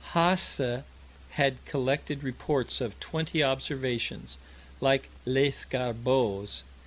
Haase had collected reports of twenty observations like Lescarbault's.